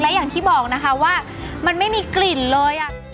และอย่างที่บอกนะคะว่ามันไม่มีกลิ่นเลย